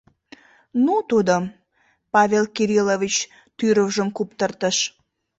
Ну тудым, — Павел Кириллович тӱрвыжым куптыртыш.